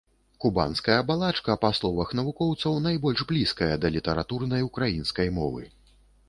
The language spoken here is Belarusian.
Кубанская балачка, па словах навукоўцаў, найбольш блізкая да літаратурнай украінскай мовы.